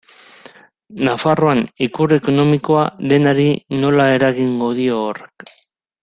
Nafarroan ikur ekonomikoa denari nola eragingo dio horrek?